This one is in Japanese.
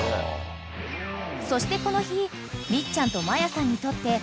［そしてこの日光ちゃんと真矢さんにとって］